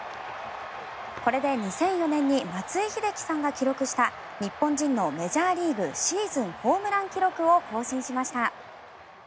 これで２００４年に松井秀喜さんが記録した日本人のメジャーリーグシーズンホームラン記録を更新しました。